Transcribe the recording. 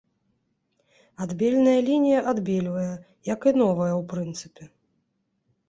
Адбельная лінія адбельвае, як і новая, у прынцыпе.